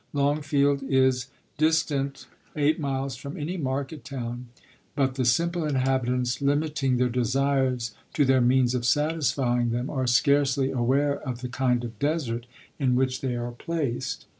Longfield is distant eight miles from any market town, but the simple inhabitants, limit ing their desires to their means of satisfying them, are scarcely aware of the kind of desert in which they are placed.